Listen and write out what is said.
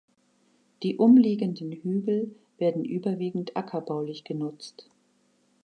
Die umliegenden Hügel werden überwiegend ackerbaulich genutzt.